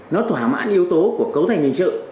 nó thỏa mãn yếu tố của cấu thành hình sự